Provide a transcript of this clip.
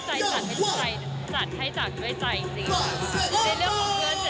คือปล่อยให้ตามไปประสาทนะคะ